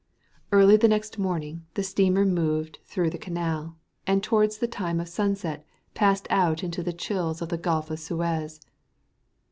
Early the next morning the steamer moved through the canal, and towards the time of sunset passed out into the chills of the Gulf of Suez.